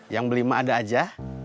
yang belima ada aja